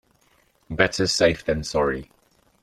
Better safe than sorry.